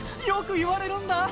よく言われるんだ。